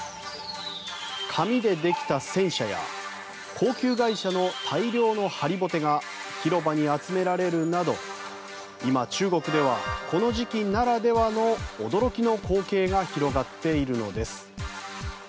紙でできた戦車や高級外車の大量の張りぼてが広場に集められるなど今、中国ではこの時期ならではの驚きの光景が広がっているのです。